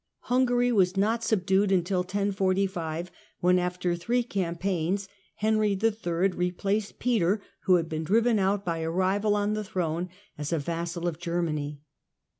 Hungary was not subdued till 1045, when, after three campaigns, Henry III. replaced Peter, who had been driven out by a rival, on the throne, as a vassal of Germany.